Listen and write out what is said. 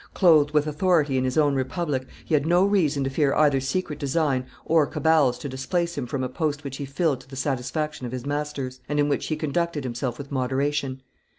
Clothed with authority in his own republic, he had no reason to fear either secret design or cabals to displace him from a post which he filled to the satisfaction of his masters, and in which he conducted himself with moderation.